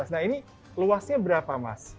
nah ini luasnya berapa mas